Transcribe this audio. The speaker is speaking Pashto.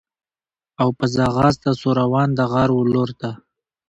او په ځغاسته سو روان د غار و لورته